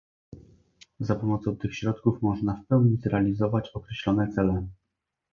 Za pomocą tych środków można w pełni zrealizować określone cele